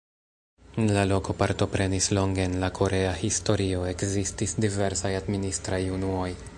La loko partoprenis longe en la korea historio, ekzistis diversaj administraj unuoj.